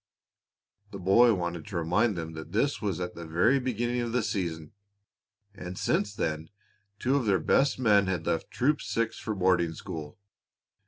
The boy wanted to remind them that this was at the very beginning of the season, and since then two of their best men had left Troop Six for boarding school.